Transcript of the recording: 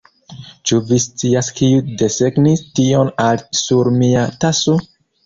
Ĉu vi scias kiu desegnis tion al sur mia taso?